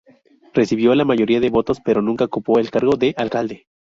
Recibió la mayoría de votos pero nunca ocupó el cargo de alcalde.